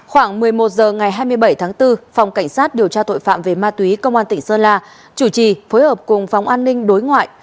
khoảng một mươi một h ngày hai mươi bảy tháng bốn phòng cảnh sát điều tra tội phạm về ma túy công an tỉnh sơn la chủ trì phối hợp cùng phóng an ninh đối ngoại